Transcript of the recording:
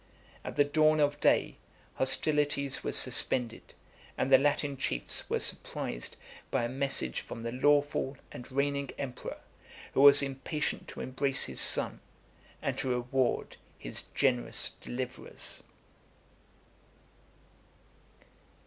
At the dawn of day, hostilities were suspended, and the Latin chiefs were surprised by a message from the lawful and reigning emperor, who was impatient to embrace his son, and to reward his generous deliverers.